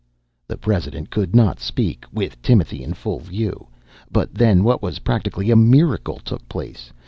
The president could not speak, with Timothy in full view. But then what was practically a miracle took place.